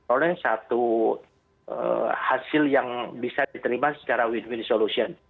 oleh satu hasil yang bisa diterima secara win win solution